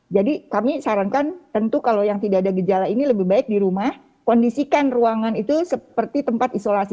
jadi kami sarankan tentu kalau yang tidak ada gejala ini lebih baik di rumah kondisikan ruangan itu seperti tempat isolasi